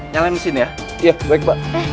nyalain mesin ya